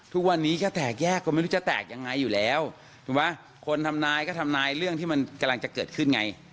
ทุกวันนี้ก็แตกแยกก็ไม่รู้จะแตกยังไงอยู่แล้วถูกไหมคนทำนายก็ทำนายเรื่องที่มันกำลังจะเกิดขึ้นไง